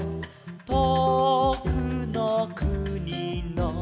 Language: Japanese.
「とおくのくにの」